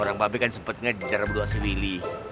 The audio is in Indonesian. orang babe kan sempet ngejar berdoa si willy